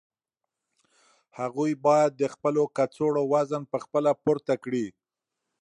هغوی باید د خپلو کڅوړو وزن په خپله پورته کړي.